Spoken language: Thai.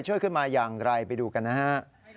ช่วยขึ้นมาอย่างไรไปดูกันนะฮะ